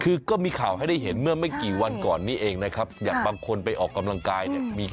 คือก็มีข่าวให้ได้เห็นเมื่อไม่กี่วันก่อนนี้เองนะครับอย่างบางคนไปออกกำลังกายเนี่ย